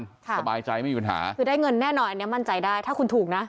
สบายใจไม่มีปัญหาคือได้เงินแน่นอนอันนี้มั่นใจได้ถ้าคุณถูกนะ